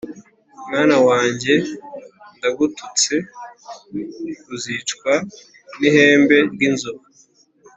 Mwana wanjye ndagututse uzicwa n' ihembe ry' inzovu